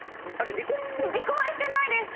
離婚はしてないですし。